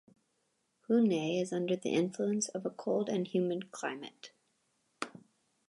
Huinay is under the influence of a cold and humid climate.